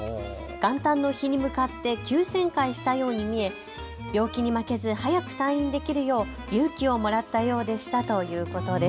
元旦の日に向かって急旋回したように見え、病気に負けず早く退院できるよう勇気をもらったようでしたということです。